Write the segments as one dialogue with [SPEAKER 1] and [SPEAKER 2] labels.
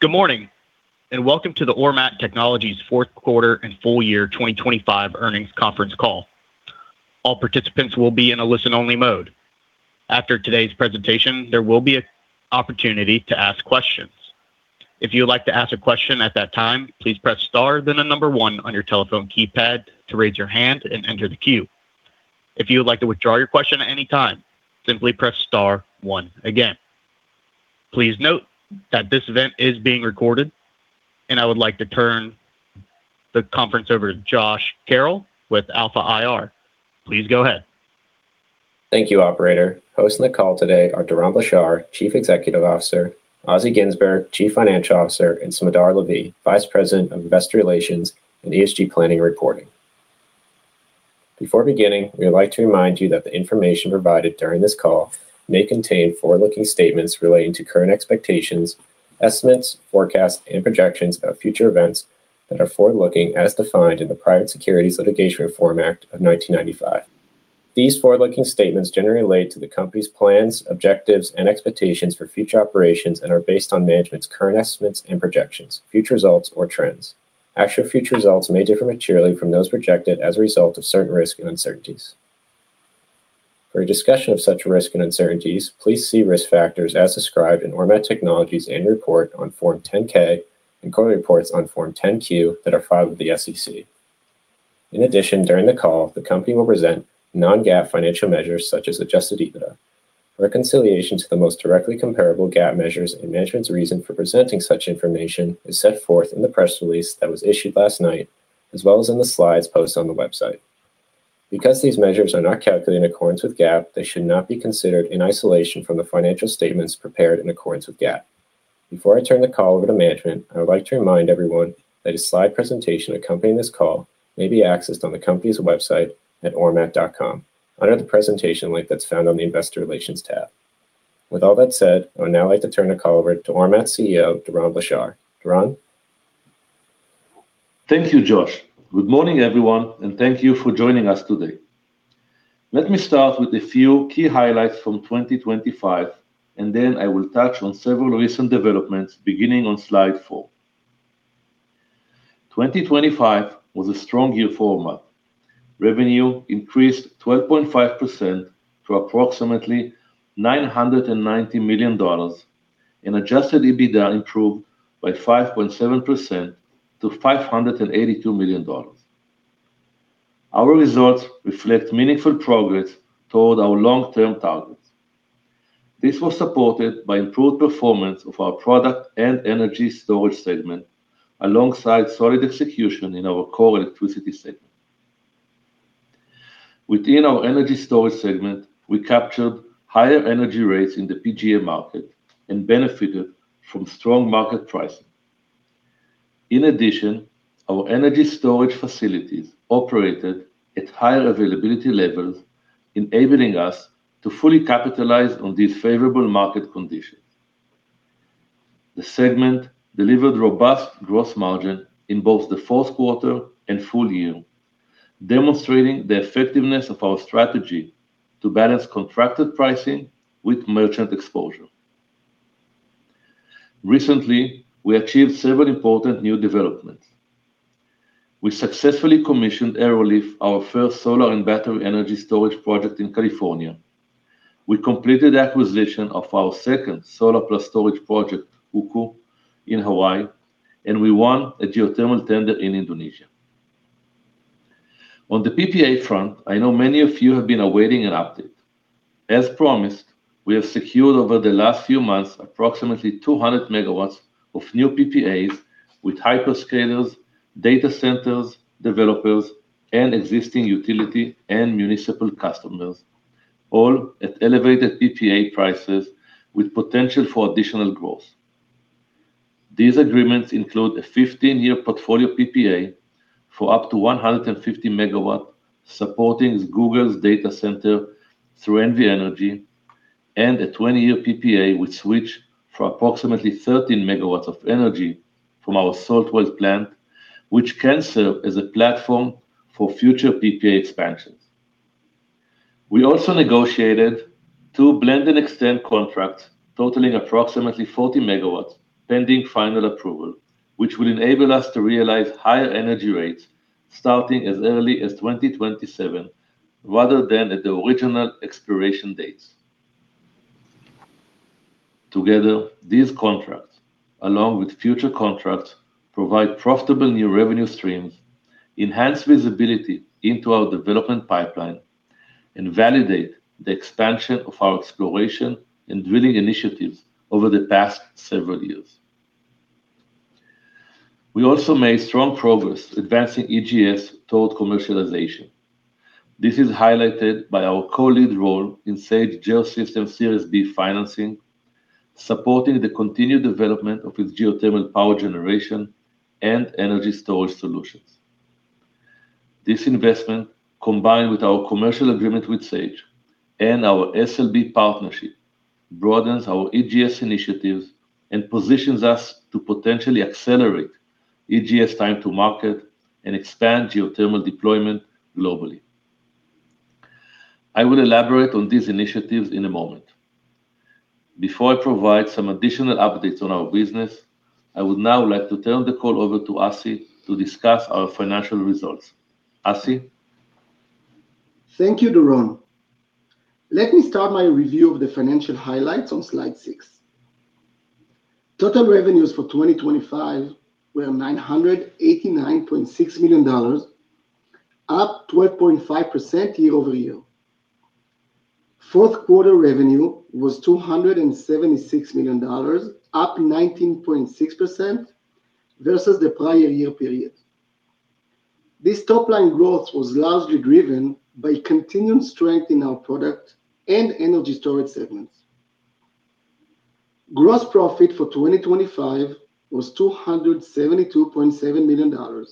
[SPEAKER 1] Good morning. Welcome to the Ormat Technologies fourth quarter and full year 2025 earnings conference call. All participants will be in a listen-only mode. After today's presentation, there will be a opportunity to ask questions. If you would like to ask a question at that time, please press star, then the number one on your telephone keypad to raise your hand and enter the queue. If you would like to withdraw your question at any time, simply press star one again. Please note that this event is being recorded, and I would like to turn the conference over to Josh Carroll with Alpha IR. Please go ahead.
[SPEAKER 2] Thank you, operator. Hosting the call today are Doron Blachar, Chief Executive Officer, Assaf Ginzburg, Chief Financial Officer, and Smadar Lavi, Vice President of Investor Relations and ESG Planning Reporting. Before beginning, we would like to remind you that the information provided during this call may contain forward-looking statements relating to current expectations, estimates, forecasts, and projections about future events that are forward-looking, as defined in the Private Securities Litigation Reform Act of 1995. These forward-looking statements generally relate to the company's plans, objectives, and expectations for future operations and are based on management's current estimates and projections, future results or trends. Actual future results may differ materially from those projected as a result of certain risks and uncertainties. For a discussion of such risks and uncertainties, please see risk factors as described in Ormat Technologies Annual Report on Form 10-K and current reports on Form 10-Q that are filed with the SEC. In addition, during the call, the company will present non-GAAP financial measures such as adjusted EBITDA. Reconciliation to the most directly comparable GAAP measures and management's reason for presenting such information is set forth in the press release that was issued last night, as well as in the slides posted on the website. Because these measures are not calculated in accordance with GAAP, they should not be considered in isolation from the financial statements prepared in accordance with GAAP. Before I turn the call over to management, I would like to remind everyone that a slide presentation accompanying this call may be accessed on the company's website at ormat.com, under the Presentation link that's found on the Investor Relations tab. With all that said, I would now like to turn the call over to Ormat CEO, Doron Blachar. Doron?
[SPEAKER 3] Thank you, Josh. Good morning, everyone, and thank you for joining us today. Let me start with a few key highlights from 2025, and then I will touch on several recent developments, beginning on slide four. 2025 was a strong year for Ormat. Revenue increased 12.5% to approximately $990 million, and adjusted EBITDA improved by 5.7% to $582 million. Our results reflect meaningful progress toward our long-term targets. This was supported by improved performance of our product and energy storage segment, alongside solid execution in our core electricity segment. Within our energy storage segment, we captured higher energy rates in the PJM market and benefited from strong market pricing. In addition, our energy storage facilities operated at higher availability levels, enabling us to fully capitalize on these favorable market conditions. The segment delivered robust gross margin in both the Q4 and full year, demonstrating the effectiveness of our strategy to balance contracted pricing with merchant exposure. Recently, we achieved several important new developments. We successfully commissioned Arrowleaf, our first solar and battery energy storage project in California. We completed the acquisition of our second solar plus storage project, Hoku, in Hawaii. We won a geothermal tender in Indonesia. On the PPA front, I know many of you have been awaiting an update. As promised, we have secured over the last few months, approximately 200 MW of new PPAs with hyperscalers, data centers, developers, and existing utility and municipal customers, all at elevated PPA prices, with potential for additional growth. These agreements include a 15 year portfolio PPA for up to 150 MW, supporting Google's data center through NV Energy, and a 20-year PPA with Switch for approximately 13 MW of energy from our Salt Wells plant, which can serve as a platform for future PPA expansions. We also negotiated two blend-and-extend contracts totaling approximately 40 MW, pending final approval, which will enable us to realize higher energy rates starting as early as 2027, rather than at the original expiration dates. Together, these contracts, along with future contracts, provide profitable new revenue streams, enhance visibility into our development pipeline, and validate the expansion of our exploration and drilling initiatives over the past several years. We also made strong progress advancing EGS toward commercialization. This is highlighted by our co-lead role in Sage Geosystems Series B financing, supporting the continued development of its geothermal power generation and energy storage solutions. This investment, combined with our commercial agreement with Sage and our SLB partnership, broadens our EGS initiatives and positions us to potentially accelerate EGS time to market and expand geothermal deployment globally. I will elaborate on these initiatives in a moment. Before I provide some additional updates on our business, I would now like to turn the call over to Assi to discuss our financial results. Assi?
[SPEAKER 4] Thank you, Doron. Let me start my review of the financial highlights on slide six. Total revenues for 2025 were $989.6 million, up 12.5% year-over-year. Q4 revenue was $276 million, up 19.6% versus the prior year period. This top line growth was largely driven by continued strength in our product and energy storage segments. Gross profit for 2025 was $272.7 million,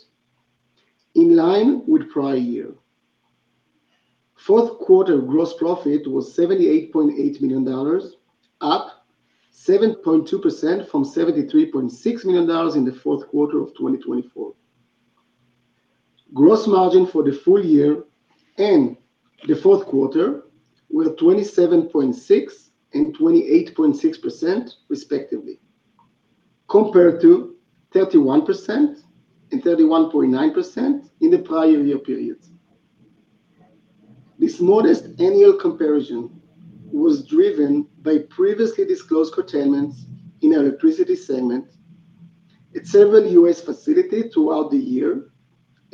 [SPEAKER 4] in line with prior year. Q4 gross profit was $78.8 million, up 7.2% from $73.6 million in the Q4 of 2024. Gross margin for the full year and the Q4 were 27.6% and 28.6%, respectively, compared to 31% and 31.9% in the prior year periods. This modest annual comparison was driven by previously disclosed curtailments in our electricity segment at several U.S. facilities throughout the year,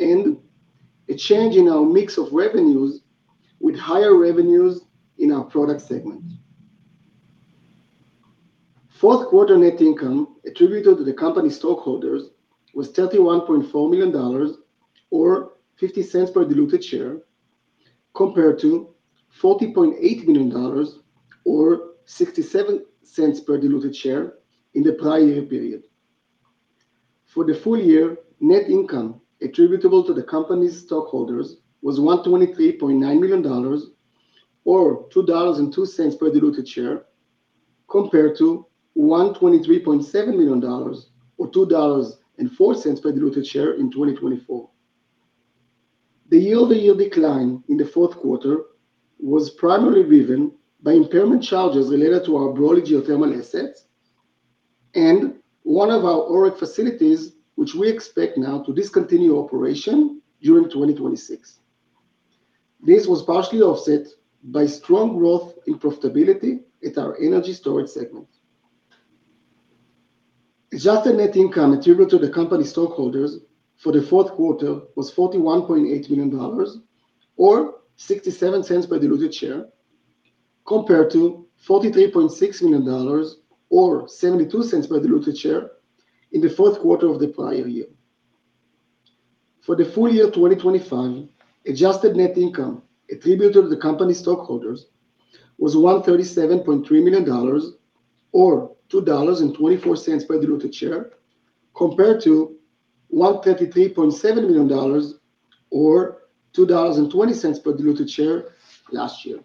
[SPEAKER 4] a change in our mix of revenues with higher revenues in our product segment. Q4 net income attributed to the company's stockholders was $31.4 million or $0.50 per diluted share, compared to $40.8 million or $0.67 per diluted share in the prior year period. For the full year, net income attributable to the company's stockholders was $123.9 million, or $2.02 per diluted share, compared to $123.7 million, or $2.04 per diluted share in 2024. The year-over-year decline in the Q4 was primarily driven by impairment charges related to our Brawley geothermal assets and one of our ORIC facilities, which we expect now to discontinue operation during 2026. This was partially offset by strong growth in profitability at our energy storage segment. Adjusted net income attributable to the company's stockholders for the Q4 was $41.8 million, or $0.67 per diluted share, compared to $43.6 million, or $0.72 per diluted share in the Q4 of the prior year. For the full year 2025, adjusted net income attributable to the company's stockholders was $137.3 million, or $2.24 per diluted share, compared to $133.7 million, or $2.20 per diluted share last year.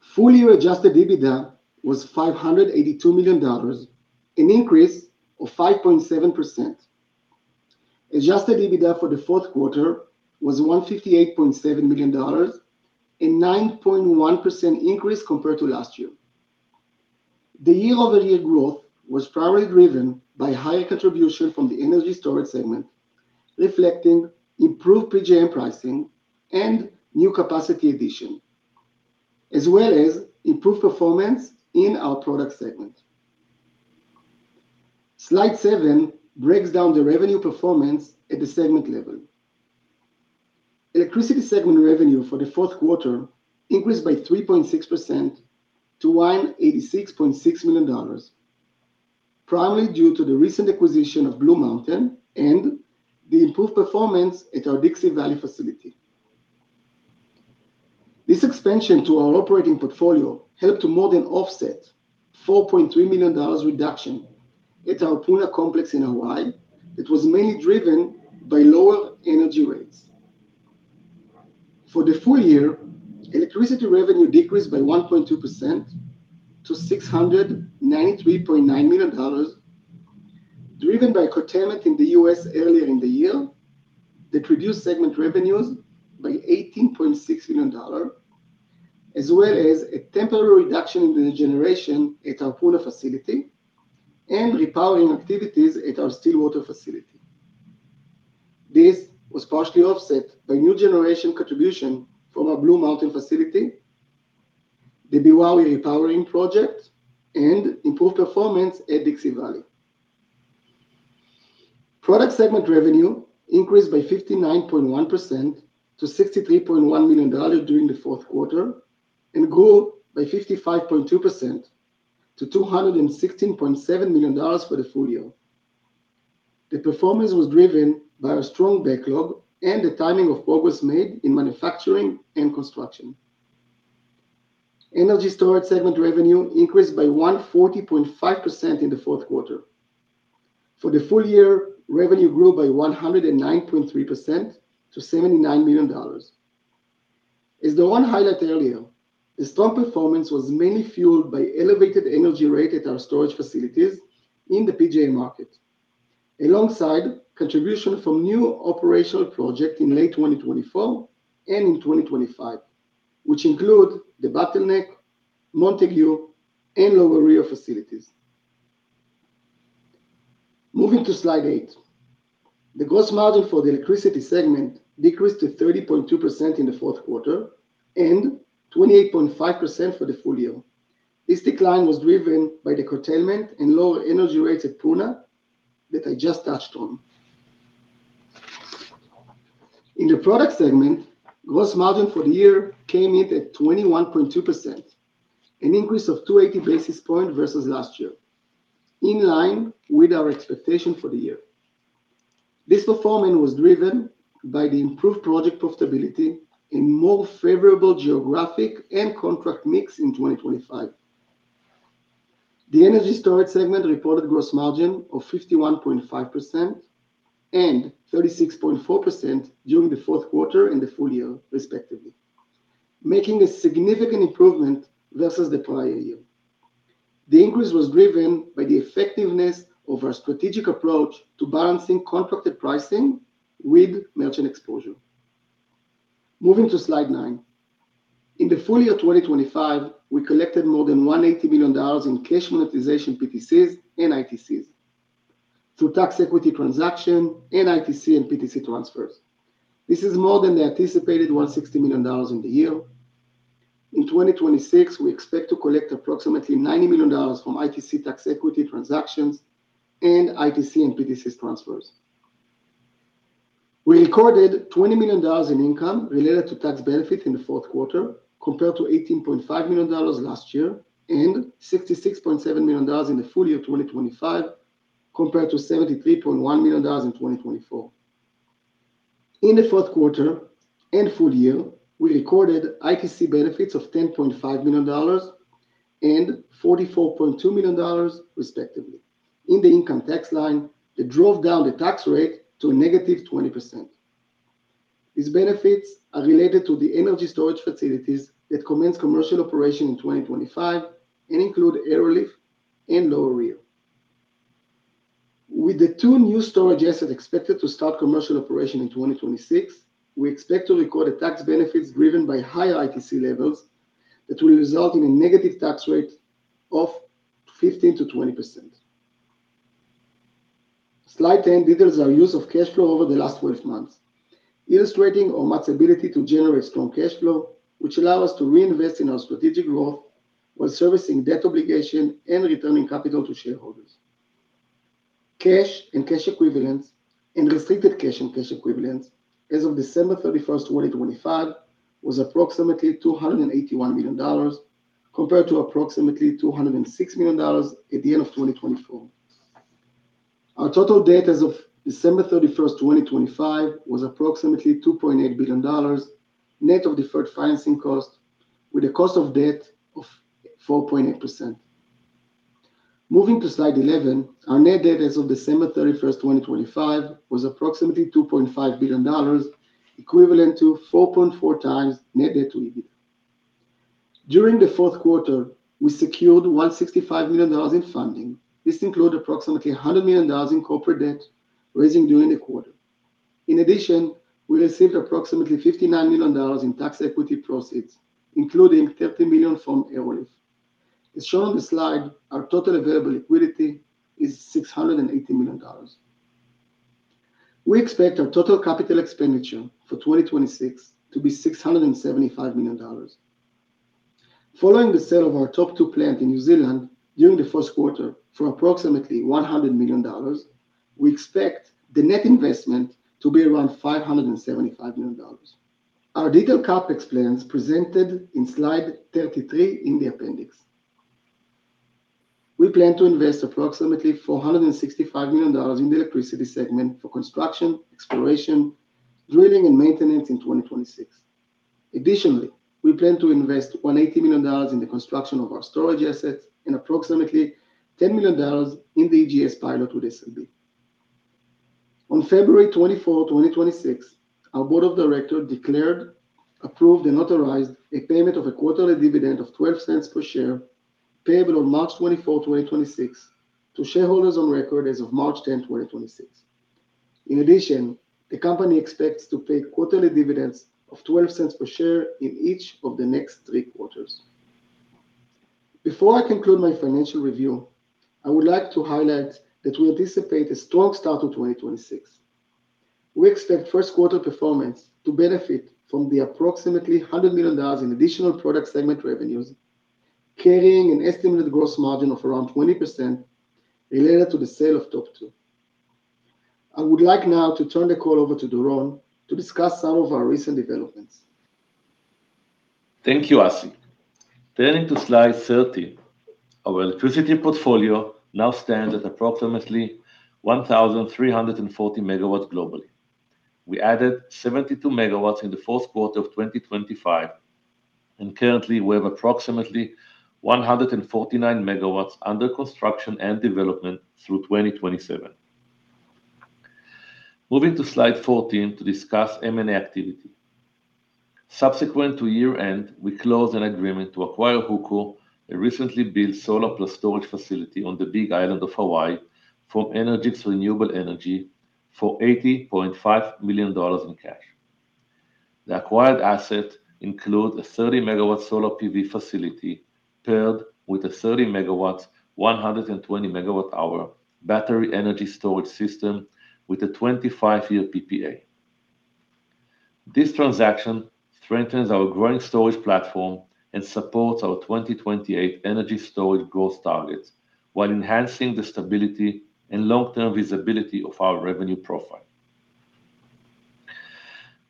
[SPEAKER 4] Full year adjusted EBITDA was $582 million, an increase of 5.7%. Adjusted EBITDA for Q4 was $158.7 million, a 9.1% increase compared to last year. The year-over-year growth was primarily driven by higher contribution from the energy storage segment, reflecting improved PJM pricing and new capacity addition, as well as improved performance in our product segment. Slide seven breaks down the revenue performance at the segment level. Electricity segment revenue for the Q4 increased by 3.6% to $186.6 million, primarily due to the recent acquisition of Blue Mountain and the improved performance at our Dixie Valley facility. This expansion to our operating portfolio helped to more than offset $4.3 million reduction at our Puna complex in Hawaii. It was mainly driven by lower energy rates. For the full year, electricity revenue decreased by 1.2% to $693.9 million, driven by curtailment in the U.S. earlier in the year. Reduced segment revenues by $18.6 million, as well as a temporary reduction in the generation at our Puna facility and repowering activities at our Stillwater facility. This was partially offset by new generation contribution from our Blue Mountain facility, the Beowawe Repowering Project, and improved performance at Dixie Valley. Product segment revenue increased by 59.1% to $63.1 million during the Q4, and grew by 55.2% to $216.7 million for the full year. The performance was driven by a strong backlog and the timing of progress made in manufacturing and construction. Energy storage segment revenue increased by 140.5% in the Q4. For the full year, revenue grew by 109.3% to $79 million. As Doron highlighted earlier, the strong performance was mainly fueled by elevated energy rate at our storage facilities in the PJM market. Alongside contribution from new operational project in late 2024 and in 2025, which include the Bottleneck, Montague, and Lower Rio facilities. Moving to slide eight. The gross margin for the electricity segment decreased to 30.2% in the Q4 and 28.5% for the full year. This decline was driven by the curtailment and lower energy rates at Puna that I just touched on. In the product segment, gross margin for the year came in at 21.2%, an increase of 280 basis points versus last year, in line with our expectation for the year. This performance was driven by the improved project profitability and more favorable geographic and contract mix in 2025. The energy storage segment reported gross margin of 51.5% and 36.4% during the Q4 and the full year, respectively, making a significant improvement versus the prior year. The increase was driven by the effectiveness of our strategic approach to balancing contracted pricing with merchant exposure. Moving to slide nine. In the full year 2025, we collected more than $180 million in cash monetization PTCs and ITCs through tax equity transaction and ITC and PTC transfers. This is more than the anticipated $160 million in the year. In 2026, we expect to collect approximately $90 million from ITC tax equity transactions and ITC and PTC transfers. We recorded $20 million in income related to tax benefit in the Q4, compared to $18.5 million last year, and $66.7 million in the full year 2025, compared to $73.1 million in 2024. In the Q4 and full year, we recorded ITC benefits of $10.5 million and $44.2 million, respectively, in the income tax line that drove down the tax rate to a negative 20%. These benefits are related to the energy storage facilities that commenced commercial operation in 2025 and include Arrowleaf and Lower Rio. With the two new storage assets expected to start commercial operation in 2026, we expect to record tax benefits driven by higher ITC levels that will result in a negative tax rate of 15%-20%. Slide 10 details our use of cash flow over the last 12 months, illustrating Ormat's ability to generate strong cash flow, which allow us to reinvest in our strategic growth while servicing debt obligation and returning capital to shareholders. Cash and cash equivalents and restricted cash and cash equivalents as of December 31st, 2025, was approximately $281 million, compared to approximately $206 million at the end of 2024. Our total debt as of December 31st, 2025, was approximately $2.8 billion, net of deferred financing cost, with a cost of debt of 4.8%. Moving to slide 11. Our net debt as of December 31st, 2025, was approximately $2.5 billion, equivalent to 4.4 times net debt to EBITDA. During the Q4, we secured $165 million in funding. This include approximately $100 million in corporate debt raising during the quarter. In addition, we received approximately $59 million in tax equity proceeds, including $30 million from Arrowleaf. As shown on the slide, our total available liquidity is $680 million. We expect our total CapEx for 2026 to be $675 million. Following the sale of our Tauhara plant in New Zealand during the Q1 for approximately $100 million, we expect the net investment to be around $575 million. Our detailed CapEx plan is presented in slide 33 in the appendix. We plan to invest approximately $465 million in the electricity segment for construction, exploration, drilling, and maintenance in 2026. Additionally, we plan to invest $180 million in the construction of our storage assets and approximately $10 million in the EGS pilot with SLB. On February 24, 2026, our board of directors declared, approved, and authorized a payment of a quarterly dividend of $0.12 per share, payable on March 24, 2026, to shareholders on record as of March 10, 2026. In addition, the company expects to pay quarterly dividends of $0.12 per share in each of the next Q3. Before I conclude my financial review, I would like to highlight that we anticipate a strong start to 2026. We expect Q1 performance to benefit from the approximately $100 million in additional product segment revenues, carrying an estimated gross margin of around 20% related to the sale of Top Two. I would like now to turn the call over to Doron to discuss some of our recent developments.
[SPEAKER 3] Thank you, Assi. Turning to slide 13. Our electricity portfolio now stands at approximately 1,340 MW globally. We added 72 MW in the Q4 of 2025. Currently we have approximately 149 MW under construction and development through 2027. Moving to slide 14 to discuss M&A activity. Subsequent to year-end, we closed an agreement to acquire Hoku, a recently built solar plus storage facility on the Big Island of Hawaii, from Energix Renewable Energies for $80.5 million in cash. The acquired assets include a 30 MW solar PV facility paired with a 30 MW, 120 MW hour battery energy storage system with a 25-year PPA. This transaction strengthens our growing storage platform and supports our 2028 energy storage growth targets, while enhancing the stability and long-term visibility of our revenue profile.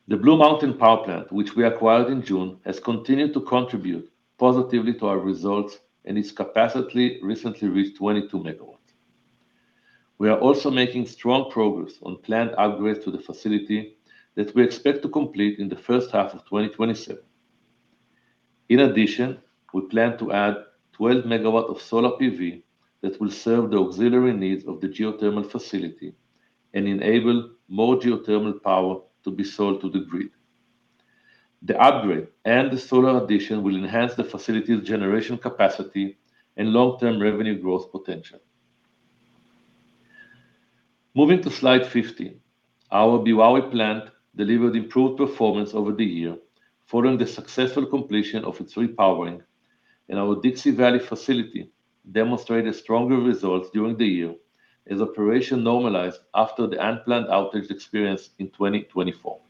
[SPEAKER 3] The Blue Mountain Power Plant, which we acquired in June, has continued to contribute positively to our results. Its capacity recently reached 22 MW. We are also making strong progress on planned upgrades to the facility that we expect to complete in the first half of 2027. In addition, we plan to add 12 MW of solar PV that will serve the auxiliary needs of the geothermal facility and enable more geothermal power to be sold to the grid. The upgrade and the solar addition will enhance the facility's generation capacity and long-term revenue growth potential. Moving to slide 15. Our Beowawe plant delivered improved performance over the year following the successful completion of its repowering. Our Dixie Valley facility demonstrated stronger results during the year as operation normalized after the unplanned outage experienced in 2024.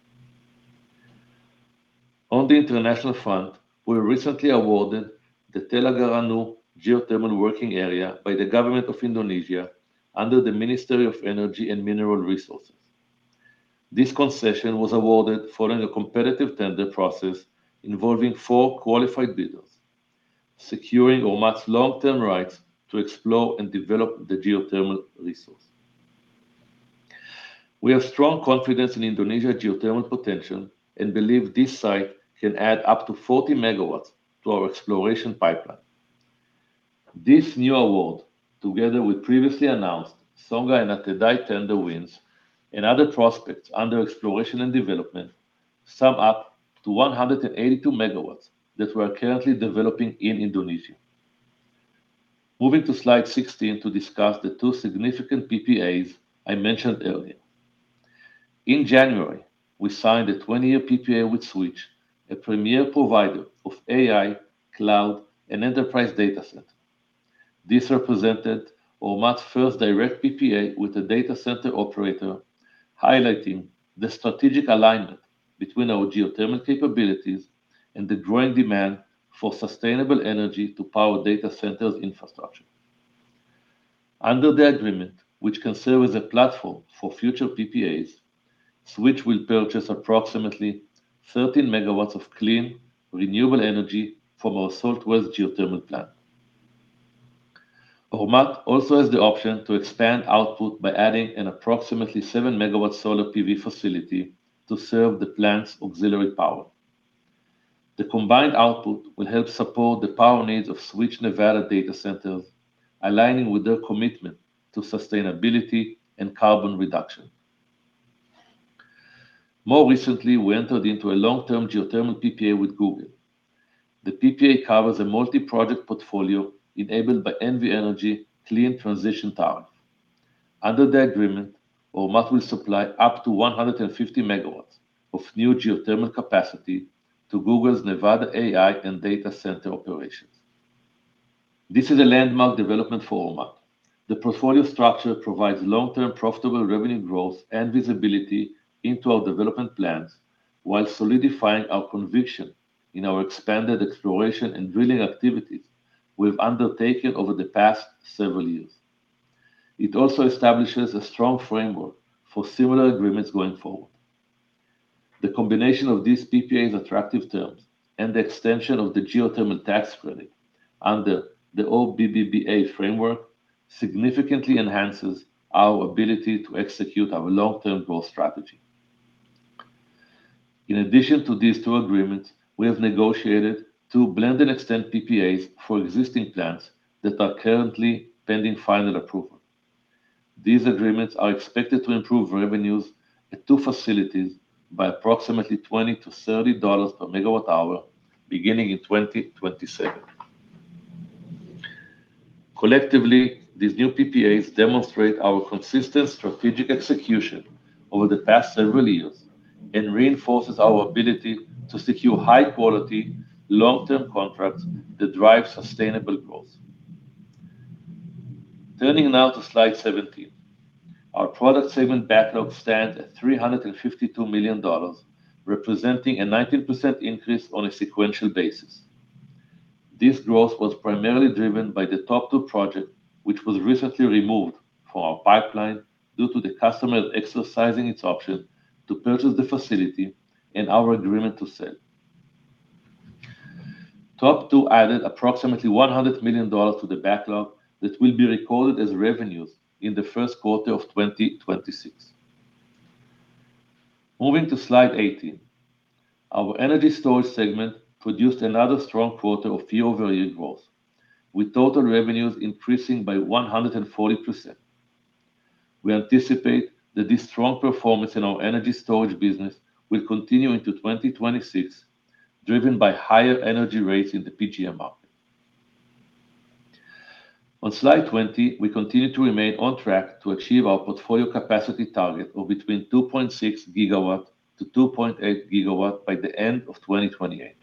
[SPEAKER 3] On the international front, we were recently awarded the Talaga Ranu geothermal working area by the government of Indonesia under the Ministry of Energy and Mineral Resources. This concession was awarded following a competitive tender process involving four qualified bidders, securing Ormat's long-term rights to explore and develop the geothermal resource. We have strong confidence in Indonesia's geothermal potential and believe this site can add up to 40 MW to our exploration pipeline. This new award, together with previously announced Songa and Atedai tender wins and other prospects under exploration and development, sum up to 182 MW that we are currently developing in Indonesia. Moving to slide 16 to discuss the two significant PPAs I mentioned earlier. In January, we signed a 20-year PPA with Switch, a premier provider of AI, cloud, and enterprise data center. This represented Ormat's first direct PPA with a data center operator, highlighting the strategic alignment between our geothermal capabilities and the growing demand for sustainable energy to power data centers' infrastructure. Under the agreement, which can serve as a platform for future PPAs, Switch will purchase approximately 13 MW of clean, renewable energy from our Salt Wells geothermal plant. Ormat also has the option to expand output by adding an approximately 7 MW solar PV facility to serve the plant's auxiliary power. The combined output will help support the power needs of Switch Nevada data centers, aligning with their commitment to sustainability and carbon reduction. More recently, we entered into a long-term geothermal PPA with Google. The PPA covers a multi-project portfolio enabled by NV Energy Clean Transition Tariff. Under the agreement, Ormat will supply up to 150 MW of new geothermal capacity to Google's Nevada AI and data center operations. This is a landmark development for Ormat. The portfolio structure provides long-term, profitable revenue growth and visibility into our development plans while solidifying our conviction in our expanded exploration and drilling activities we've undertaken over the past several years. It also establishes a strong framework for similar agreements going forward. The combination of these PPAs' attractive terms and the extension of the geothermal tax credit under the OBBBA framework, significantly enhances our ability to execute our long-term growth strategy. In addition to these two agreements, we have negotiated two blend-and-extend PPAs for existing plants that are currently pending final approval. These agreements are expected to improve revenues at two facilities by approximately $20-$30 per MWh, beginning in 2027. Collectively, these new PPAs demonstrate our consistent strategic execution over the past several years and reinforces our ability to secure high-quality, long-term contracts that drive sustainable growth. Turning now to slide 17. Our product segment backlog stands at $352 million, representing a 19% increase on a sequential basis. This growth was primarily driven by the Top Two project, which was recently removed from our pipeline due to the customer exercising its option to purchase the facility and our agreement to sell. Top Two added approximately $100 million to the backlog that will be recorded as revenues in the Q1 of 2026. Moving to slide 18. Our energy storage segment produced another strong quarter of year-over-year growth, with total revenues increasing by 140%.... We anticipate that this strong performance in our energy storage business will continue into 2026, driven by higher energy rates in the PJM market. On slide 20, we continue to remain on track to achieve our portfolio capacity target of between 2.6 GW-2.8 GW by the end of 2028.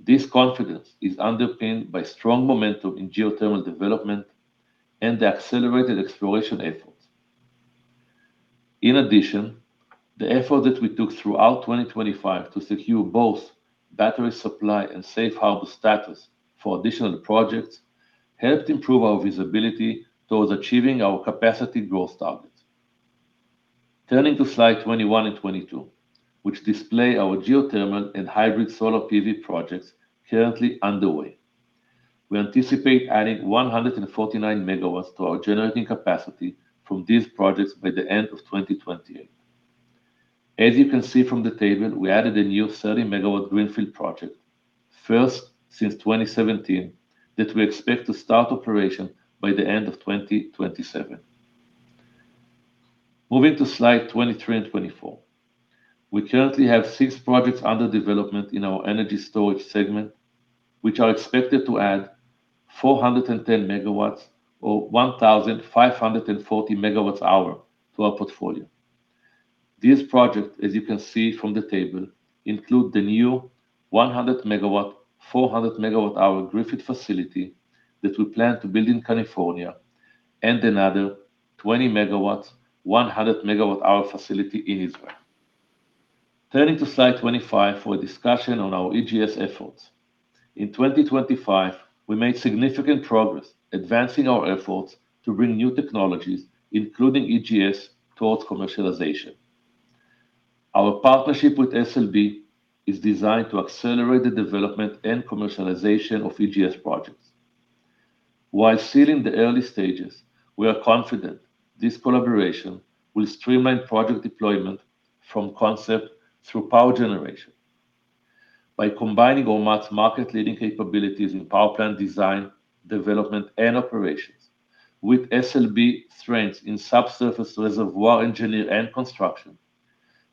[SPEAKER 3] This confidence is underpinned by strong momentum in geothermal development and the accelerated exploration efforts. The effort that we took throughout 2025 to secure both battery supply and safe harbor status for additional projects, helped improve our visibility towards achieving our capacity growth targets. Turning to slide 21 and 22, which display our geothermal and hybrid solar PV projects currently underway. We anticipate adding 149 MW to our generating capacity from these projects by the end of 2028. As you can see from the table, we added a new 30 MW greenfield project, first since 2017, that we expect to start operation by the end of 2027. Moving to slide 23 and 24. We currently have six projects under development in our energy storage segment, which are expected to add 410 MW or 1,540 MWh to our portfolio. These projects, as you can see from the table, include the new 100 MW, 400 MWh Griffith facility that we plan to build in California, and another 20 MW, 100 MWh facility in Israel. Turning to slide 25 for a discussion on our EGS efforts. In 2025, we made significant progress advancing our efforts to bring new technologies, including EGS, towards commercialization. Our partnership with SLB is designed to accelerate the development and commercialization of EGS projects. While still in the early stages, we are confident this collaboration will streamline project deployment from concept through power generation. By combining Ormat's market-leading capabilities in power plant design, development, and operations with SLB strengths in subsurface reservoir engineering and construction,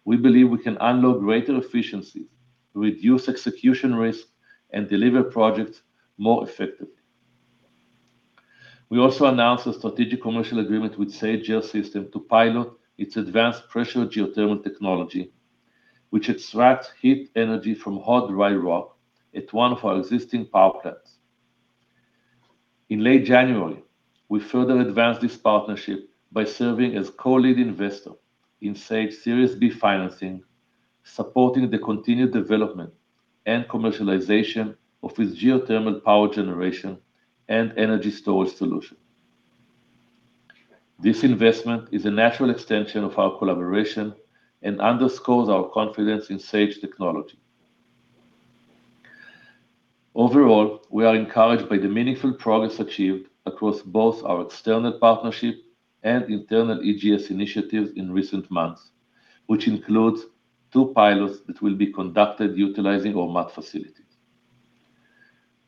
[SPEAKER 3] we believe we can unlock greater efficiencies, reduce execution risk, and deliver projects more effectively. We also announced a strategic commercial agreement with Sage Geosystems to pilot its advanced pressure geothermal technology, which extracts heat energy from hot, dry rock at one of our existing power plants. In late January, we further advanced this partnership by serving as co-lead investor in Sage Series B financing, supporting the continued development and commercialization of its geothermal power generation and energy storage solution. This investment is a natural extension of our collaboration and underscores our confidence in Sage technology. Overall, we are encouraged by the meaningful progress achieved across both our external partnership and internal EGS initiatives in recent months, which includes two pilots that will be conducted utilizing Ormat facilities.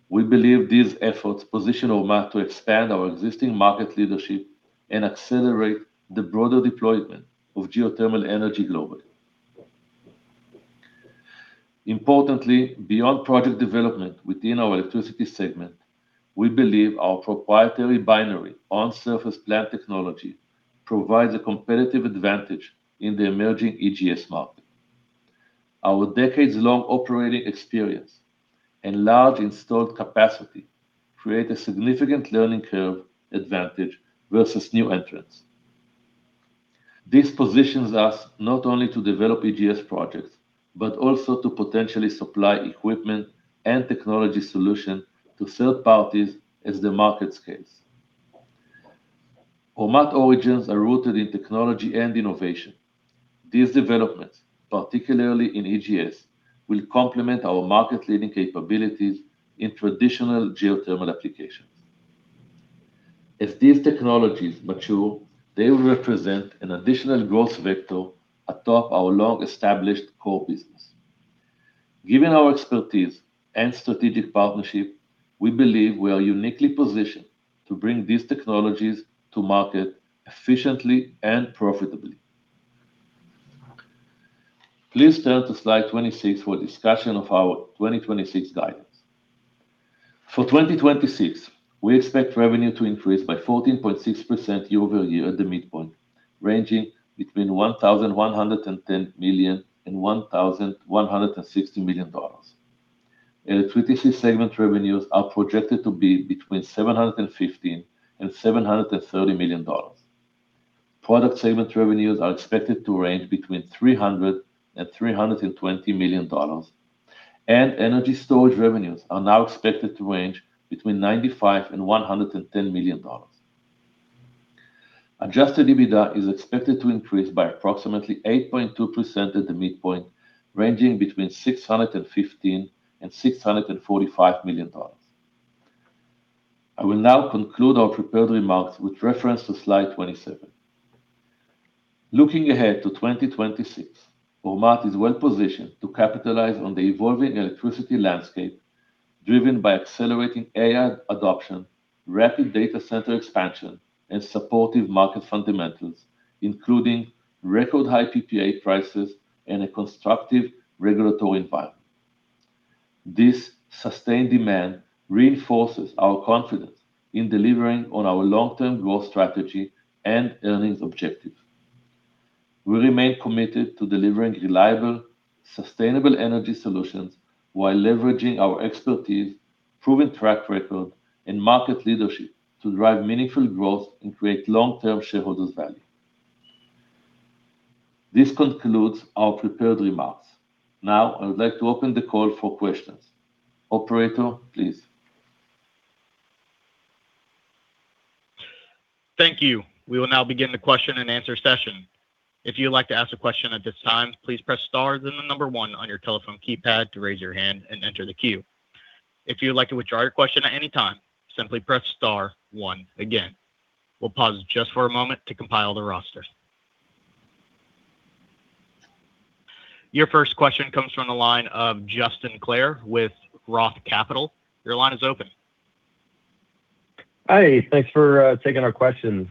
[SPEAKER 3] We believe these efforts position Ormat to expand our existing market leadership and accelerate the broader deployment of geothermal energy globally. Importantly, beyond project development within our electricity segment, we believe our proprietary binary, on-surface plant technology provides a competitive advantage in the emerging EGS market. Our decades-long operating experience and large installed capacity create a significant learning curve advantage versus new entrants. This positions us not only to develop EGS projects, but also to potentially supply equipment and technology solution to third parties as the market scales. Ormat origins are rooted in technology and innovation. These developments, particularly in EGS, will complement our market-leading capabilities in traditional geothermal applications. As these technologies mature, they will represent an additional growth vector atop our long-established core business. Given our expertise and strategic partnership, we believe we are uniquely positioned to bring these technologies to market efficiently and profitably. Please turn to slide 26 for a discussion of our 2026 guidance. For 2026, we expect revenue to increase by 14.6% year-over-year at the midpoint, ranging between $1,110 million and $1,160 million. Electricity segment revenues are projected to be between $715 million and $730 million. Product segment revenues are expected to range between $300 million and $320 million. Energy storage revenues are now expected to range between $95 million and $110 million. Adjusted EBITDA is expected to increase by approximately 8.2% at the midpoint, ranging between $615 million and $645 million. I will now conclude our prepared remarks with reference to slide 27. Looking ahead to 2026, Ormat is well positioned to capitalize on the evolving electricity landscape driven by accelerating AI adoption, rapid data center expansion, and supportive market fundamentals, including record high PPA prices and a constructive regulatory environment. This sustained demand reinforces our confidence in delivering on our long-term growth strategy and earnings objectives. We remain committed to delivering reliable, sustainable energy solutions while leveraging our expertise, proven track record, and market leadership to drive meaningful growth and create long-term shareholders value. This concludes our prepared remarks. I would like to open the call for questions. Operator, please.
[SPEAKER 1] Thank you. We will now begin the question and answer session. If you'd like to ask a question at this time, please press star, then the number one on your telephone keypad to raise your hand and enter the queue. If you'd like to withdraw your question at any time, simply press star one again. We'll pause just for a moment to compile the rosters. Your first question comes from the line of Justin Clare with ROTH Capital. Your line is open.
[SPEAKER 5] Hi, thanks for taking our questions.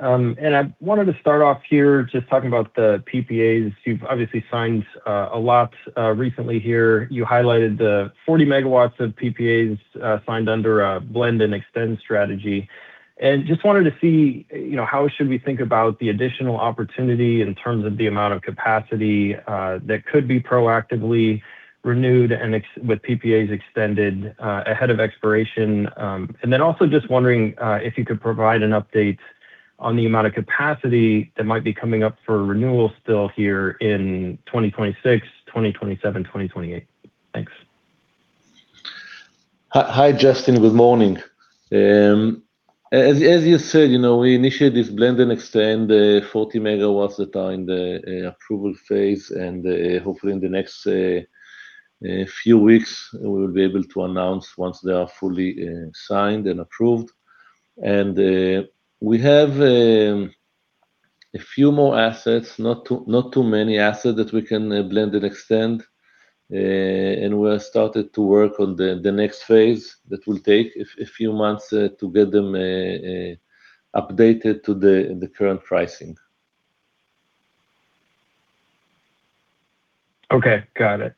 [SPEAKER 5] I wanted to start off here just talking about the PPAs. You've obviously signed a lot recently here. You highlighted the 40 MW of PPAs signed under a blend-and-extend strategy. Just wanted to see, you know, how should we think about the additional opportunity in terms of the amount of capacity that could be proactively renewed with PPAs extended ahead of expiration? Also just wondering if you could provide an update on the amount of capacity that might be coming up for renewal still here in 2026, 2027, 2028. Thanks.
[SPEAKER 3] Hi, Justin. Good morning. As you said, you know, we initiated this blend and extend, 40 MW that are in the approval phase, and hopefully in the next few weeks, we will be able to announce once they are fully signed and approved. We have a few more assets, not too many assets that we can blend and extend, and we have started to work on the next phase that will take a few months to get them updated to the current pricing.
[SPEAKER 5] Okay, got it.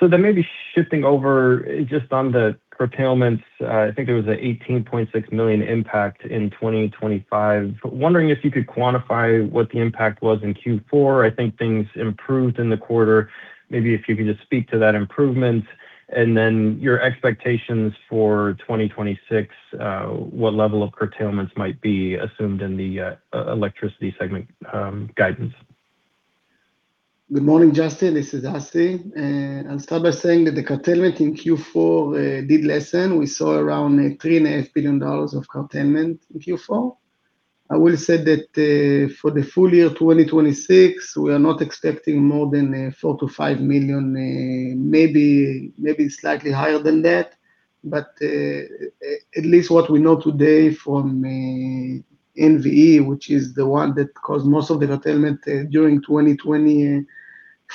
[SPEAKER 5] Maybe shifting over just on the curtailments, I think there was an $18.6 million impact in 2025. Wondering if you could quantify what the impact was in Q4. I think things improved in the quarter. Maybe if you could just speak to that improvement, and then your expectations for 2026, what level of curtailments might be assumed in the electricity segment guidance?
[SPEAKER 4] Good morning, Justin, this is Assi, and I'll start by saying that the curtailment in Q4 did lessen. We saw around three and a half billion dollars of curtailment in Q4. I will say that for the full year 2026, we are not expecting more than $4 million-$5 million, maybe slightly higher than that, but at least what we know today from NVE, which is the one that caused most of the curtailment during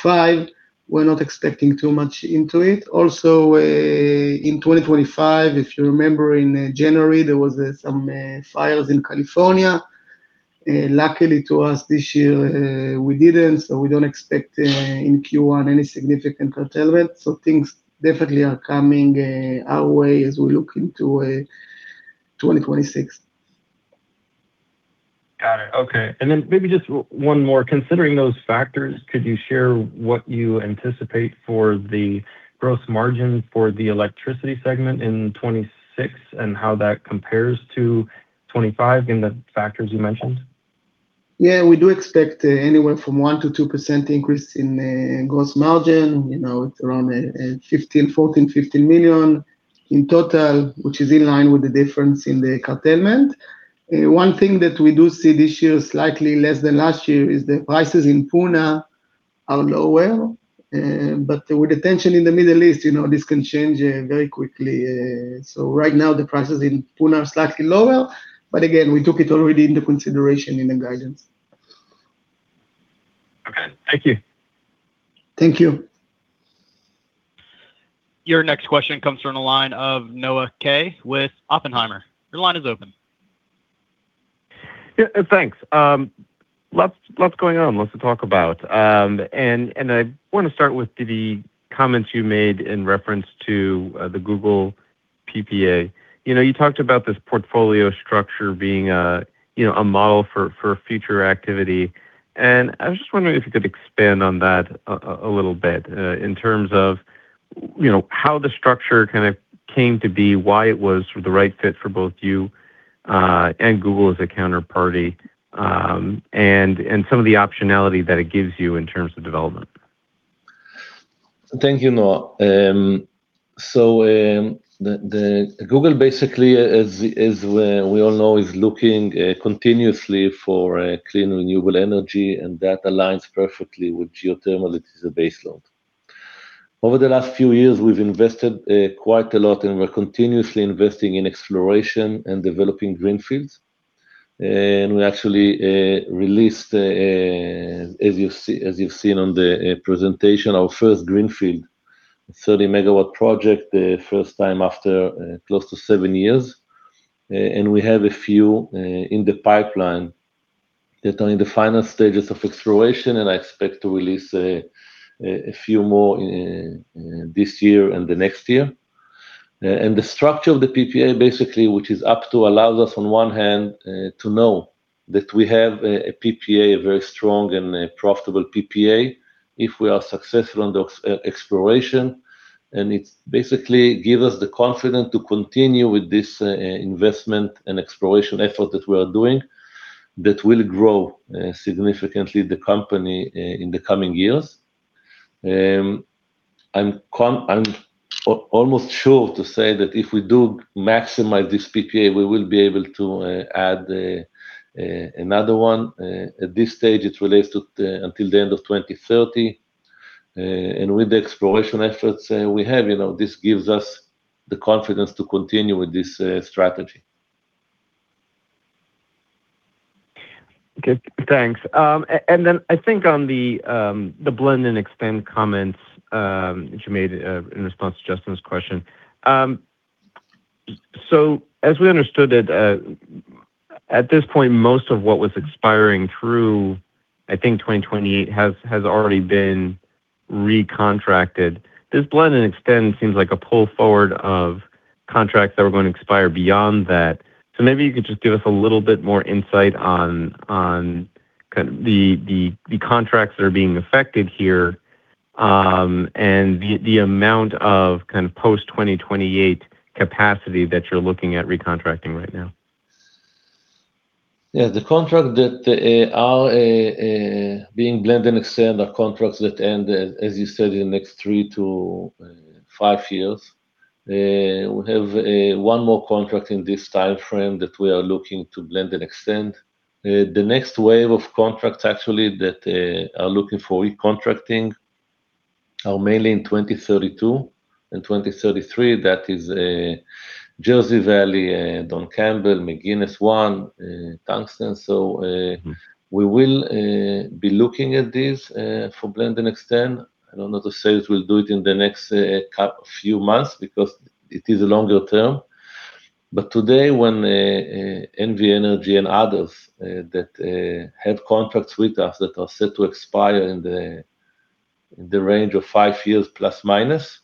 [SPEAKER 4] 2025, we're not expecting too much into it. In 2025, if you remember, in January, there was some fires in California. Luckily to us, this year, we didn't. We don't expect in Q1 any significant curtailment. Things definitely are coming our way as we look into 2026.
[SPEAKER 5] Got it. Okay. Then maybe just one more. Considering those factors, could you share what you anticipate for the gross margin for the electricity segment in 2026 and how that compares to 2025, given the factors you mentioned?
[SPEAKER 4] Yeah, we do expect, anywhere from 1%-2% increase in gross margin, you know, it's around $14 million-$15 million in total, which is in line with the difference in the curtailment. One thing that we do see this year, slightly less than last year, is the prices in Puna are lower, but with the tension in the Middle East, you know, this can change very quickly. Right now, the prices in Puna are slightly lower, but again, we took it already into consideration in the guidance.
[SPEAKER 5] Okay. Thank you.
[SPEAKER 4] Thank you.
[SPEAKER 1] Your next question comes from the line of Noah Kaye with Oppenheimer. Your line is open.
[SPEAKER 6] Yeah, thanks. Lots going on, lots to talk about. I want to start with the comments you made in reference to the Google PPA. You know, you talked about this portfolio structure being a, you know, a model for future activity, and I was just wondering if you could expand on that a little bit in terms of, you know, how the structure kind of came to be, why it was the right fit for both you and Google as a counterparty, and some of the optionality that it gives you in terms of development?
[SPEAKER 3] Thank you, Noah. The Google basically is we all know, is looking continuously for a clean, renewable energy, and that aligns perfectly with geothermal. It is a baseload. Over the last few years, we've invested quite a lot, and we're continuously investing in exploration and developing greenfields. We actually released as you've seen on the presentation, our first greenfield, 30 MW project, the first time after close to seven years. We have a few in the pipeline that are in the final stages of exploration, and I expect to release a few more in this year and the next year. The structure of the PPA, basically, which is up to allows us on one hand, to know that we have a PPA, a very strong and a profitable PPA, if we are successful on the exploration. It's basically give us the confidence to continue with this investment and exploration effort that we are doing, that will grow significantly the company in the coming years. I'm almost sure to say that if we do maximize this PPA, we will be able to add another one. At this stage, it relates until the end of 2030. With the exploration efforts, we have, you know, this gives us the confidence to continue with this strategy.
[SPEAKER 6] Okay, thanks. And then I think on the blend-and-extend comments that you made in response to Justin's question. As we understood it, at this point, most of what was expiring through, I think, 2028 has already been recontracted. This blend-and-extend seems like a pull forward of contracts that were going to expire beyond that. Maybe you could just give us a little bit more insight on kind of the contracts that are being affected here, and the amount of kind of post-2028 capacity that you're looking at recontracting right now.
[SPEAKER 3] The contract that are being blend-and-extend are contracts that end, as you said, in the next three to five years. We have one more contract in this timeframe that we are looking to blend-and-extend. The next wave of contracts, actually, that are looking for recontracting are mainly in 2032 and 2033. That is Jersey Valley, Don Campbell, McGinness Hills, Tungsten.
[SPEAKER 6] Mm-hmm.
[SPEAKER 3] We will be looking at this for blend and extend. I don't know to say if we'll do it in the next few months because it is longer term. Today, when NV Energy and others that have contracts with us that are set to expire in the range of five years, plus, minus,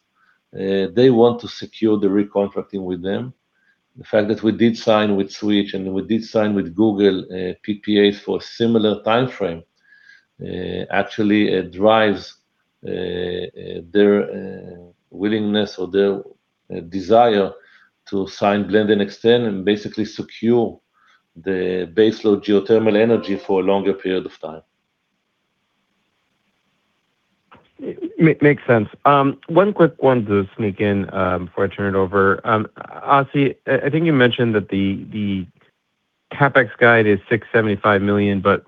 [SPEAKER 3] they want to secure the recontracting with them. The fact that we did sign with Switch and we did sign with Google, PPAs for a similar timeframe, actually drives their willingness or their desire to sign blend and extend, and basically secure the baseload geothermal energy for a longer period of time.
[SPEAKER 6] Make sense. one quick one to sneak in before I turn it over. Assi, I think you mentioned that the CapEx guide is $675 million, but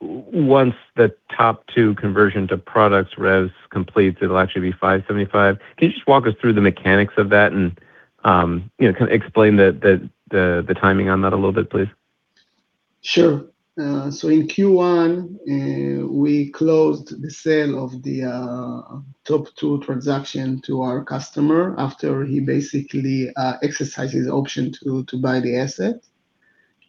[SPEAKER 6] once the top two conversion to products revs completes, it'll actually be $575 million. Can you just walk us through the mechanics of that and, you know, kind of explain the timing on that a little bit, please?
[SPEAKER 4] Sure. So in Q1, we closed the sale of the top two transaction to our customer after he basically exercised his option to buy the asset.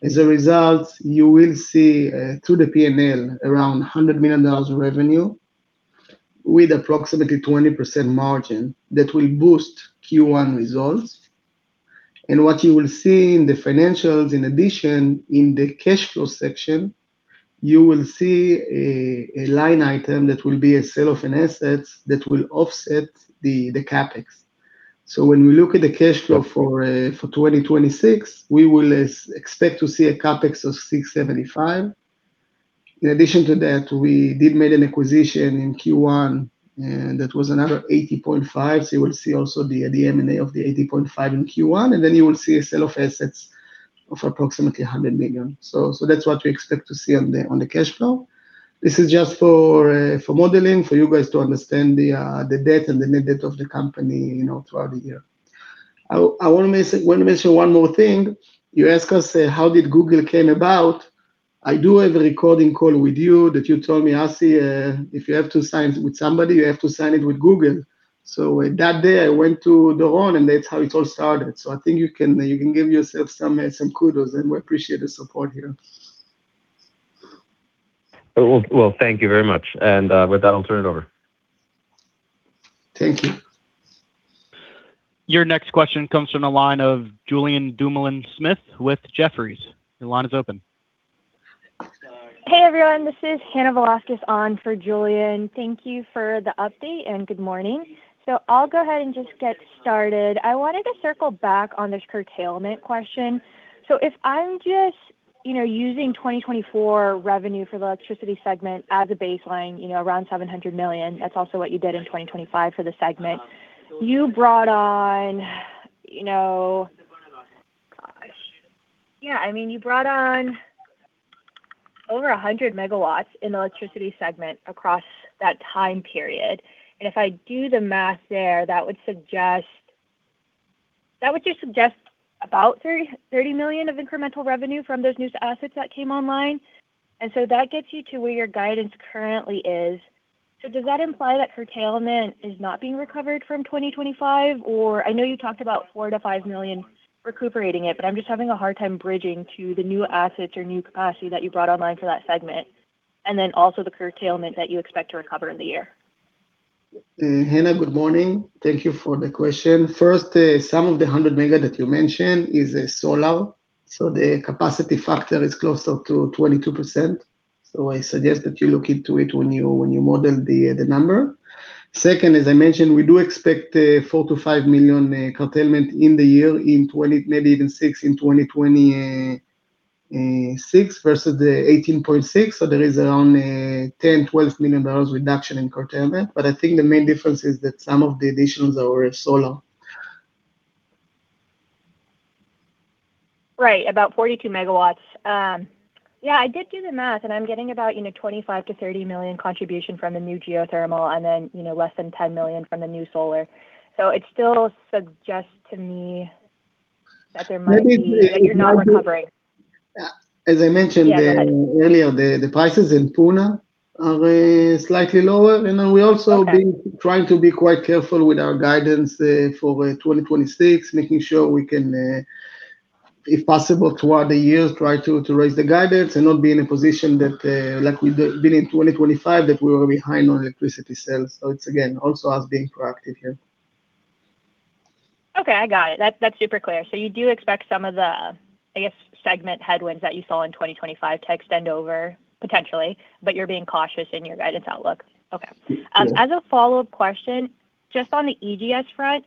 [SPEAKER 4] As a result, you will see through the PNL, around $100 million of revenue, with approximately 20% margin, that will boost Q1 results. What you will see in the financials, in addition, in the cash flow section, you will see a line item that will be a sale of an assets that will offset the CapEx. When we look at the cash flow for 2026, we will expect to see a CapEx of $675. In addition to that, we did make an acquisition in Q1, that was another $80.5. You will see also the M&A of the $80.5 million in Q1, and then you will see a sale of assets of approximately $100 million. That's what we expect to see on the cash flow. This is just for modeling, for you guys to understand the debt and the net debt of the company, you know, throughout the year. I wanna mention one more thing. You asked us how did Google came about? I do have a recording call with you, that you told me, "Assi, if you have to sign with somebody, you have to sign it with Google." That day, I went to Doron, and that's how it all started. I think you can give yourself some kudos, and we appreciate the support here.
[SPEAKER 6] Well, thank you very much. With that, I'll turn it over.
[SPEAKER 4] Thank you.
[SPEAKER 1] Your next question comes from the line of Julien Dumoulin-Smith with Jefferies. Your line is open.
[SPEAKER 3] Sorry.
[SPEAKER 7] Hey, everyone. This is Hannah Velasquez on for Julien Dumoulin-Smith. Thank you for the update, and good morning. I'll go ahead and just get started. I wanted to circle back on this curtailment question. If I'm just, you know, using 2024 revenue for the electricity segment as a baseline, you know, around $700 million, that's also what you did in 2025 for the segment. I mean, you brought on over 100 MW in the electricity segment across that time period, and if I do the math there, that would just suggest about $30 million of incremental revenue from those new assets that came online. That gets you to where your guidance currently is. Does that imply that curtailment is not being recovered from 2025? I know you talked about $4 million-$5 million recuperating it, but I'm just having a hard time bridging to the new assets or new capacity that you brought online for that segment, and then also the curtailment that you expect to recover in the year.
[SPEAKER 3] Hannah, good morning. Thank you for the question. First, some of the 100 MW that you mentioned is solar, so the capacity factor is closer to 22%. I suggest that you look into it when you model the number. Second, as I mentioned, we do expect a $4 million-$5 million curtailment in the year, in 2026, versus the $18.6 million. There is around a $10 million-$12 million reduction in curtailment. I think the main difference is that some of the additions are solar.
[SPEAKER 7] Right, about 42 MW. Yeah, I did do the math, and I'm getting about, you know, $25 million-$30 million contribution from the new geothermal and then, you know, less than $10 million from the new solar. It still suggests to me that there might be.
[SPEAKER 3] Maybe-
[SPEAKER 7] That you're not recovering.
[SPEAKER 3] As I mentioned.
[SPEAKER 7] Yes...
[SPEAKER 3] earlier, the prices in Puna are slightly lower.
[SPEAKER 7] Okay
[SPEAKER 3] been trying to be quite careful with our guidance, for 2026, making sure we can, if possible, toward the year, try to raise the guidance and not be in a position that, like we did be in 2025, that we were behind on electricity sales. It's again, also us being proactive here.
[SPEAKER 7] Okay, I got it. That's super clear. You do expect some of the, I guess, segment headwinds that you saw in 2025 to extend over, potentially, but you're being cautious in your guidance outlook? Okay.
[SPEAKER 3] Yes.
[SPEAKER 7] As a follow-up question, just on the EGS front,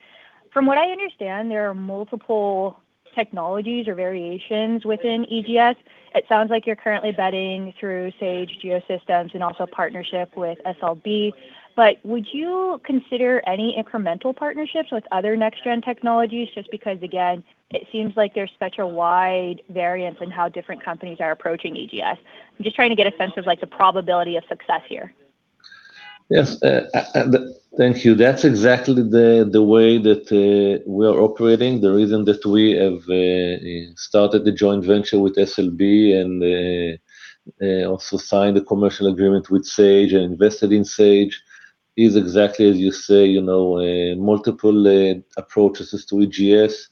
[SPEAKER 7] from what I understand, there are multiple technologies or variations within EGS. It sounds like you're currently betting through Sage Geosystems and also partnership with SLB, but would you consider any incremental partnerships with other next-gen technologies? Just because, again, it seems like there's such a wide variance in how different companies are approaching EGS. I'm just trying to get a sense of, like, the probability of success here.
[SPEAKER 3] Yes. Thank you. That's exactly the way that we are operating. The reason that we have started the joint venture with SLB and also signed a commercial agreement with Sage and invested in Sage, is exactly, as you say, you know, multiple approaches to EGS.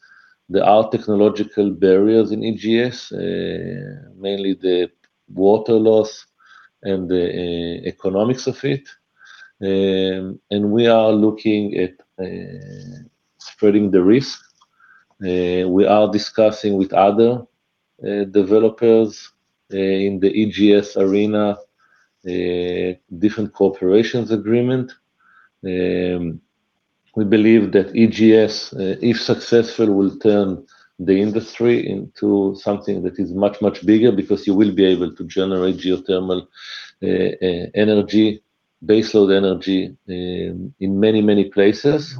[SPEAKER 3] There are technological barriers in EGS, mainly the water loss and the economics of it. We are looking at spreading the risk. We are discussing with other developers in the EGS arena, different corporations agreement. We believe that EGS, if successful, will turn the industry into something that is much, much bigger because you will be able to generate geothermal energy, base load energy, in many, many places.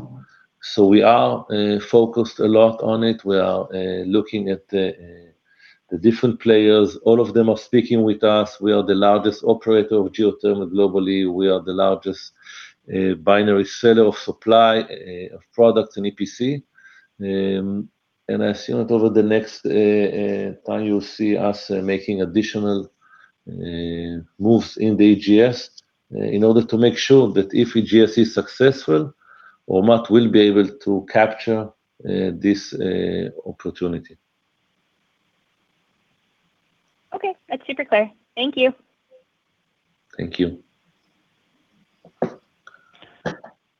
[SPEAKER 3] We are focused a lot on it. We are looking at the different players. All of them are speaking with us. We are the largest operator of geothermal globally. We are the largest binary seller of supply of products in EPC. I assume that over the next time, you'll see us making additional moves in the EGS in order to make sure that if EGS is successful, Ormat will be able to capture this opportunity.
[SPEAKER 7] Okay. That's super clear. Thank you.
[SPEAKER 3] Thank you.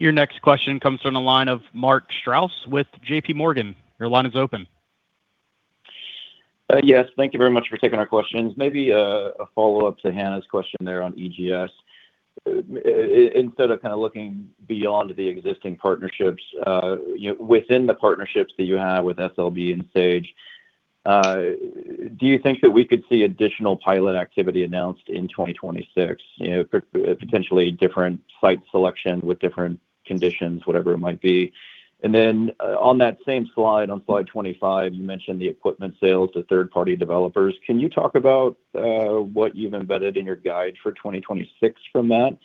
[SPEAKER 1] Your next question comes from the line of Mark Strouse with JP Morgan. Your line is open.
[SPEAKER 8] Yes. Thank you very much for taking our questions. Maybe a follow-up to Hannah's question there on EGS. Instead of kind of looking beyond the existing partnerships, you know, within the partnerships that you have with SLB and Sage, do you think that we could see additional pilot activity announced in 2026? You know, potentially different site selection with different conditions, whatever it might be. Then, on that same slide, on slide 25, you mentioned the equipment sales to third-party developers. Can you talk about what you've embedded in your guide for 2026 from that,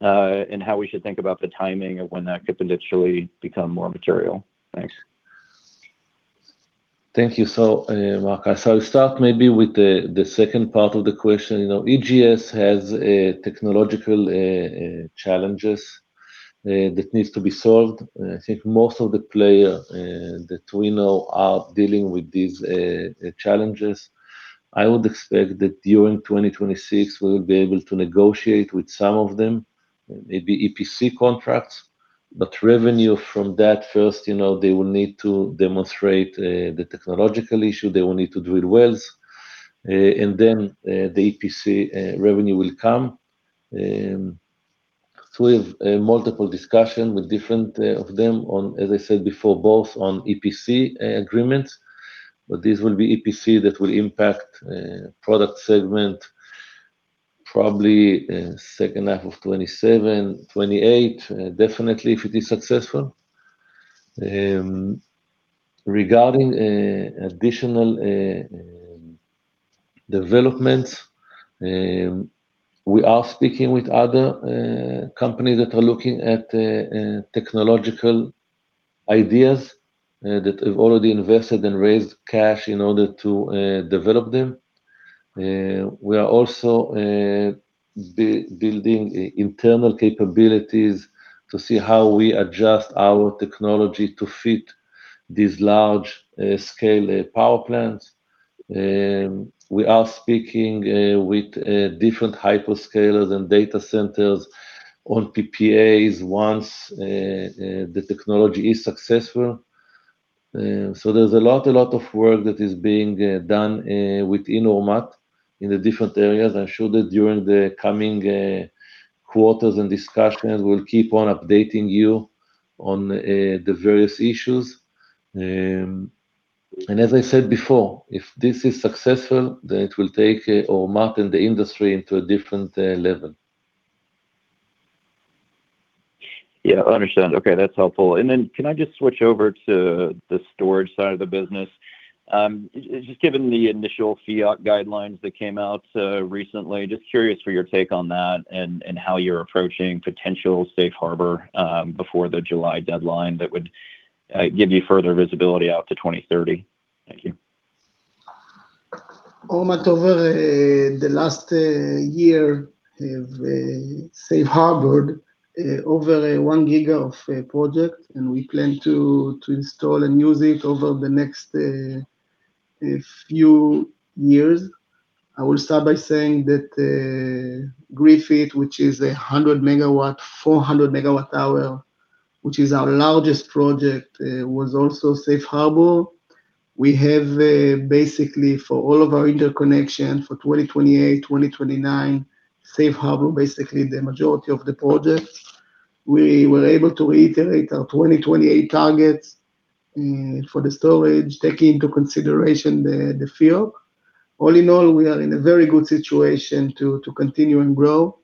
[SPEAKER 8] and how we should think about the timing of when that could potentially become more material? Thanks.
[SPEAKER 3] Thank you. Mark, I'll start maybe with the second part of the question. You know, EGS has technological challenges that needs to be solved. I think most of the player that we know are dealing with these challenges. I would expect that during 2026, we will be able to negotiate with some of them, maybe EPC contracts. Revenue from that first, you know, they will need to demonstrate the technological issue. They will need to do it well, and then the EPC revenue will come. We have multiple discussion with different of them on, as I said before, both on EPC agreements, but this will be EPC that will impact product segment, probably second half of 2027, 2028, definitely if it is successful.... regarding additional developments, we are speaking with other companies that are looking at technological ideas that have already invested and raised cash in order to develop them. We are also building internal capabilities to see how we adjust our technology to fit these large scale power plants. We are speaking with different hyperscalers and data centers on PPAs once the technology is successful. There's a lot of work that is being done within Ormat in the different areas. I'm sure that during the coming quarters and discussions, we'll keep on updating you on the various issues. As I said before, if this is successful, then it will take Ormat and the industry into a different level.
[SPEAKER 8] Yeah, I understand. Okay, that's helpful. Then can I just switch over to the storage side of the business? just given the initial FEOC guidelines that came out, recently, just curious for your take on that and how you're approaching potential safe harbor, before the July deadline that would give you further visibility out to 2030. Thank you.
[SPEAKER 3] Ormat, over the last year, have safe harbored over a one giga of project, and we plan to install and use it over the next few years. I will start by saying that Griffith, which is 100 MW, 400 MWh, which is our largest project, was also safe harbor. We have, basically, for all of our interconnection for 2028, 2029, safe harbor, basically, the majority of the projects. We were able to reiterate our 2028 targets for the storage, taking into consideration the FEOC. All in all, we are in a very good situation to continue and grow.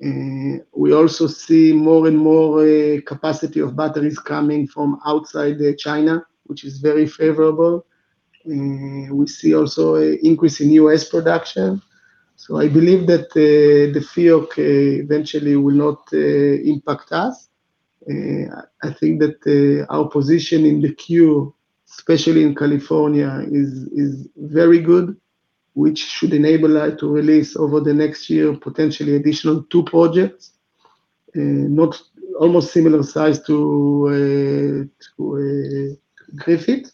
[SPEAKER 3] We also see more and more capacity of batteries coming from outside China, which is very favorable. We see also a increase in U.S. production. I believe that the FEOC eventually will not impact us. I think that our position in the queue, especially in California, is very good, which should enable us to release over the next year, potentially additional two projects, almost similar size to Griffith.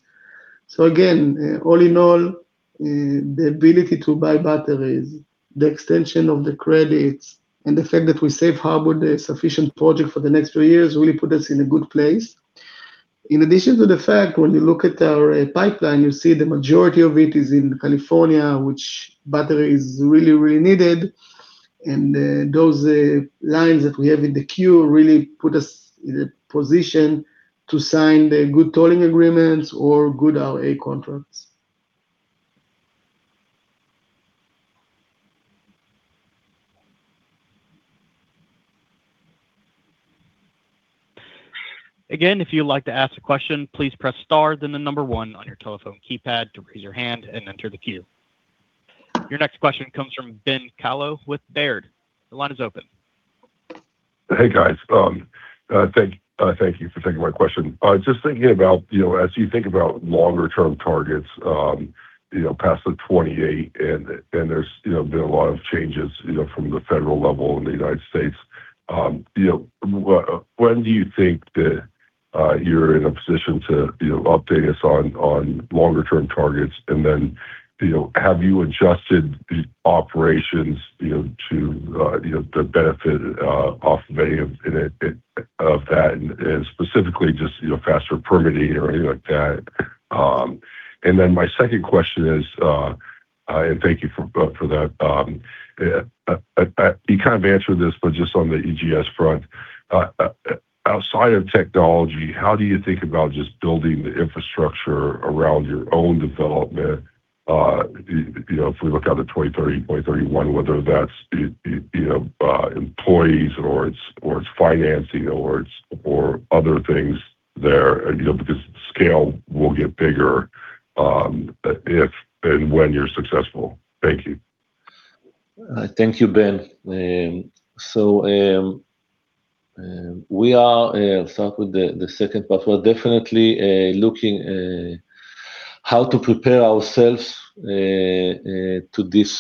[SPEAKER 3] Again, all in all, the ability to buy batteries, the extension of the credits, and the fact that we safe harbored a sufficient project for the next two years, really put us in a good place. In addition to the fact, when you look at our pipeline, you see the majority of it is in California, which battery is really needed, and those lines that we have in the queue really put us in a position to sign the good tolling agreements or good RA contracts.
[SPEAKER 1] Again, if you'd like to ask a question, please press Star, then the number one on your telephone keypad to raise your hand and enter the queue. Your next question comes from Ben Kallo with Baird. The line is open.
[SPEAKER 9] Hey, guys. Thank you for taking my question. Just thinking about, you know, as you think about longer-term targets, you know, past 2028, and there's, you know, been a lot of changes, you know, from the federal level in the United States, you know, when do you think that, you're in a position to, you know, update us on longer-term targets? You know, have you adjusted the operations, you know, to, you know, the benefit, of any of it, of that, and specifically just, you know, faster permitting or anything like that? My second question is, and thank you for that. You kind of answered this, just on the EGS front, outside of technology, how do you think about just building the infrastructure around your own development? You know, if we look out at 2030, 2031, whether that's, you know, employees or it's, or it's financing or it's, or other things there, you know, because scale will get bigger, if and when you're successful. Thank you.
[SPEAKER 3] Thank you, Ben. We are start with the second part. We're definitely looking how to prepare ourselves to this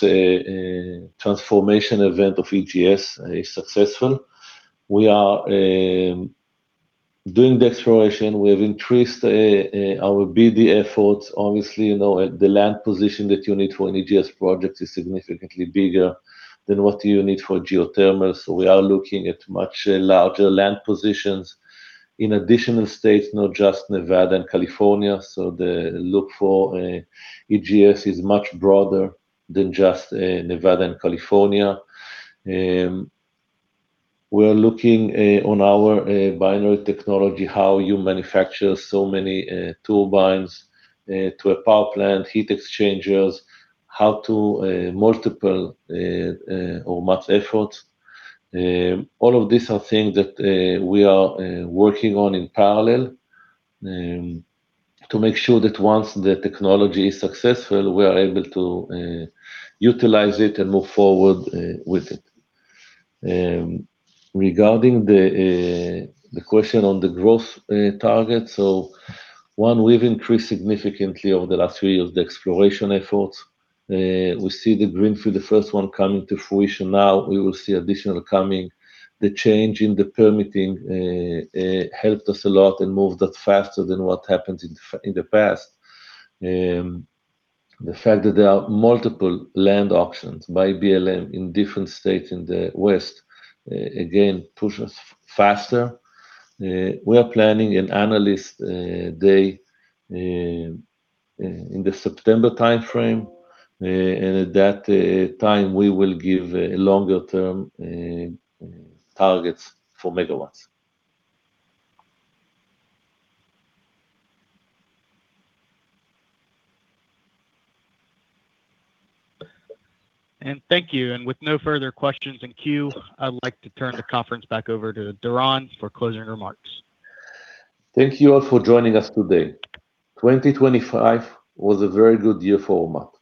[SPEAKER 3] transformation event of EGS successful. We are doing the exploration. We have increased our BD efforts. Obviously, you know, the land position that you need for an EGS project is significantly bigger than what you need for geothermal. We are looking at much larger land positions in additional states, not just Nevada and California. The look for EGS is much broader than just Nevada and California. We are looking on our binary technology, how you manufacture so many turbines to a power plant, heat exchangers, how to multiple Ormat's efforts. All of these are things that we are working on in parallel to make sure that once the technology is successful, we are able to utilize it and move forward with it. Regarding the question on the growth target, so one, we've increased significantly over the last three years, the exploration efforts. We see the Griffith, the first one, coming to fruition now. We will see additional coming. The change in the permitting helped us a lot and moved us faster than what happened in the past. The fact that there are multiple land auctions by BLM in different states in the West, again, push us faster. We are planning an analyst day in the September timeframe, and at that time, we will give a longer term targets for megawatts.
[SPEAKER 1] Thank you. With no further questions in queue, I'd like to turn the conference back over to Doron for closing remarks.
[SPEAKER 3] Thank you all for joining us today. 2025 was a very good year for Ormat.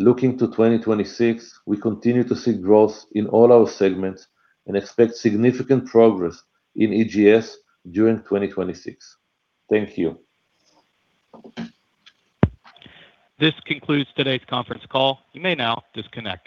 [SPEAKER 3] Looking to 2026, we continue to see growth in all our segments and expect significant progress in EGS during 2026. Thank you.
[SPEAKER 1] This concludes today's conference call. You may now disconnect.